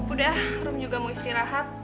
udah rom juga mau istirahat